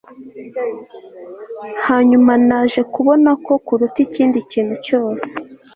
Hanyuma naje kubona ko kuruta ikindi kintu cyose